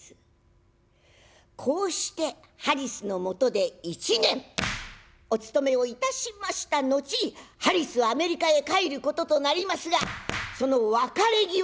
こうしてハリスのもとで１年お務めをいたしました後ハリスアメリカへ帰ることとなりますがその別れ際